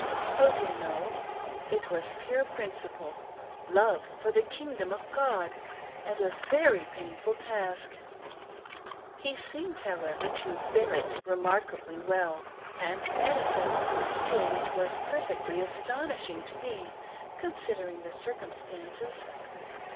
Oh dear no ! it was pure principle, love for the kingdom of God, and " a very painful task !" He seemed, however, to bear it remarkably well, and manifested a zeal which was per fectly astonishing tj me considering the circumstances.